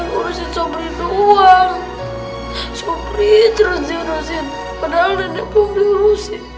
diurusin sobrin doang sobrin terus diurusin padahal nenek belum diurusin